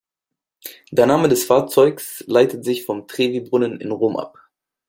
Der Name des Fahrzeugs leitet sich vom Trevi-Brunnen in Rom ab.